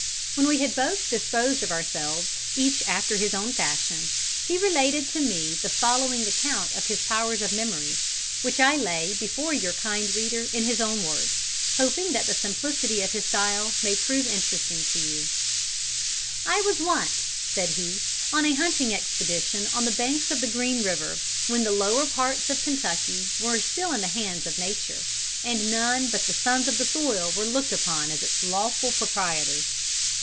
When we had both disposed of ourselves each after his own fashion, he related to me the following account of his powers of memory, which I lay before your kind reader in his own words, hoping that the simplicity of his style may prove interesting to you: "'I was once,' said he, 'on a hunting expedition on the banks of the Green River, when the lower parts of Kentucky were still in the hands of nature, and none but the sons of the soil were looked upon as its lawful proprietors.